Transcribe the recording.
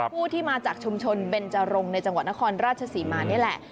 ผู้ที่มาจากชุมชนเบนจรงในจังหวัดนครราชศรีมานี่แหละ